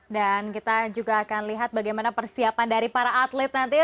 dan kita juga akan lihat bagaimana persiapan dari para atlet nanti